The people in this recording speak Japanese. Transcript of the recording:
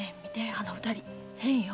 あの二人変よ。